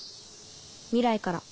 未来から。